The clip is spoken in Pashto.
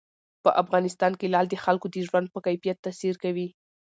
په افغانستان کې لعل د خلکو د ژوند په کیفیت تاثیر کوي.